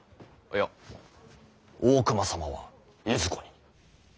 いや大隈様はいずこに？